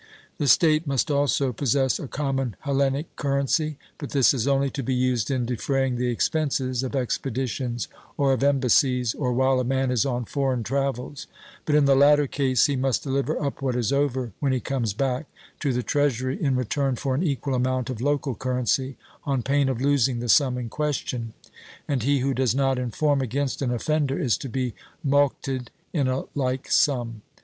The state must also possess a common Hellenic currency, but this is only to be used in defraying the expenses of expeditions, or of embassies, or while a man is on foreign travels; but in the latter case he must deliver up what is over, when he comes back, to the treasury in return for an equal amount of local currency, on pain of losing the sum in question; and he who does not inform against an offender is to be mulcted in a like sum.